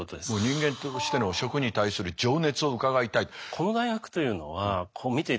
人間としての食に対する情熱を伺いたい。